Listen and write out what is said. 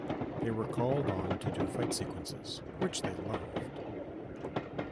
They were called on to do fight sequences, which they loved.